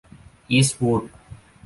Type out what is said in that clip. อีสต์วูด